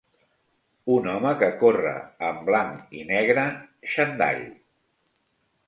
Un home que corre en blanc i negre xandall